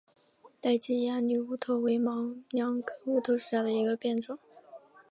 截基鸭绿乌头为毛茛科乌头属下的一个变种。